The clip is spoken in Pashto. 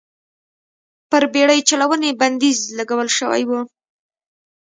پر بېړۍ چلونې بندیز لګول شوی و.